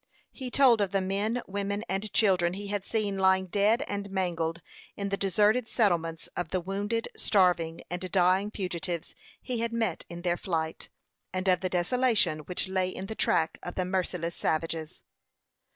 He told of the men, women, and children he had seen lying dead and mangled in the deserted settlements; of the wounded, starving, and dying fugitives he had met in their flight; and of the desolation which lay in the track of the merciless savages.